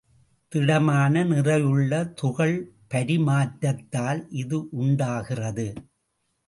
திட்டமான நிறையுள்ள துகள் பரிமாற்றத்தால் இது உண்டாகிறது.